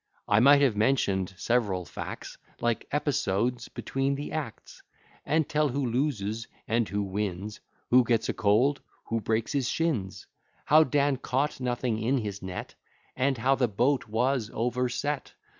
I might have mention'd several facts, Like episodes between the acts; And tell who loses and who wins, Who gets a cold, who breaks his shins; How Dan caught nothing in his net, And how the boat was overset.